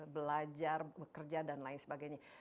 belajar bekerja dan lain sebagainya